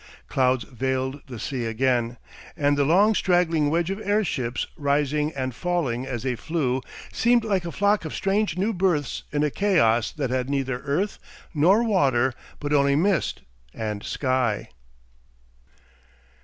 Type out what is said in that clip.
Clouds veiled the sea again, and the long straggling wedge of air ships rising and falling as they flew seemed like a flock of strange new births in a Chaos that had neither earth nor water but only mist and sky.